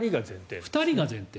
２人が前提。